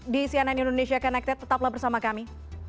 di cnn indonesia connected tetaplah bersama kami